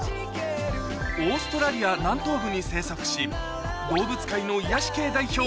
オーストラリア南東部に生息し動物界の癒やし系代表